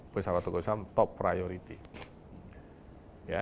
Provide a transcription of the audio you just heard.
pesawat tukang cilam top priority